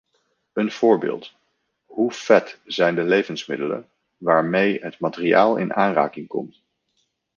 Een voorbeeld: hoe vet zijn de levensmiddelen waarmee het materiaal in aanraking komt?